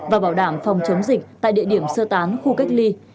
và bảo đảm phòng chống dịch tại địa điểm sơ tán khu cách ly